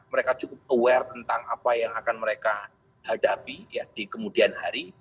mereka cukup aware tentang apa yang akan mereka hadapi di kemudian hari